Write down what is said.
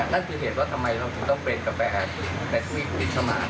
นั่นคือเหตุว่าทำไมเราต้องเบรนด์กาแฟในทุกวิธีสมาธิ